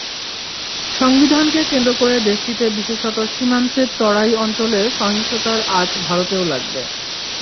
সংবিধানকে কেন্দ্র করে দেশটিতে বিশেষত সীমান্তের তরাই অঞ্চলের সহিংসতার আঁচ ভারতেও লাগবে।